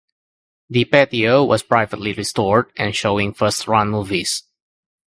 The Patio was privately restored and showing first-run movies.